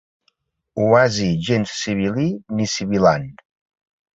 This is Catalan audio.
Oasi gens sibil·lí ni sibil·lant.